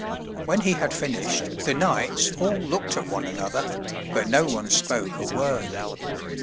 When he had finished, the knights all looked at one another, but no one spoke a word.